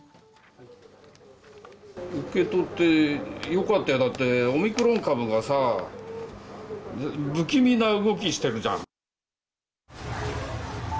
受け取ってよかったよ、だって、オミクロン株がさ、不気味な動きしてるじゃん。